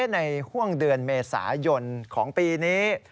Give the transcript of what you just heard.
ในห่วงเดือนเมษายนของปีนี้